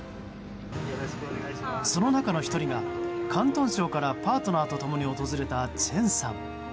その中の１人が広東省からパートナーと共に訪れたチェンさん。